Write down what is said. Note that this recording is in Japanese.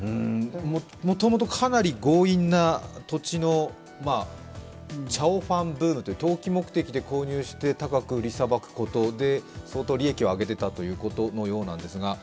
もともとかなり強引な土地の、チャオファンブームという投機目的で購入して高く売りさばいて相当利益を上げていたということのようなんですが。